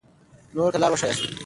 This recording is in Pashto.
نورو ته لار وښایئ.